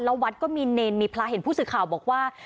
แล้ววัดก็มีเนรมีพระเห็นผู้สื่อข่าวบอกว่า